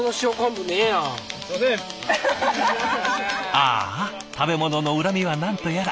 ああ食べ物の恨みは何とやら。